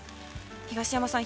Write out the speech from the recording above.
東山さん